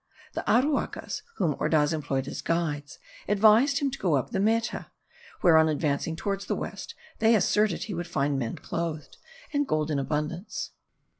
The Aruacas, whom Ordaz employed as guides, advised him to go up the Meta; where, on advancing towards the west, they asserted he would find men clothed, and gold in abundance.